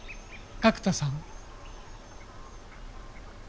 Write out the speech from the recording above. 角田さん。